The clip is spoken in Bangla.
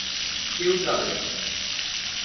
কেউ যাবে না।